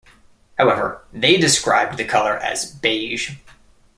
However, they described the color as "beige".